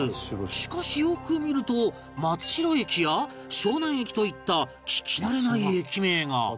しかしよく見ると松城駅や松南駅といった聞き慣れない駅名が